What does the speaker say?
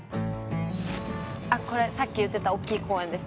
「これさっき言ってたおっきい公園です。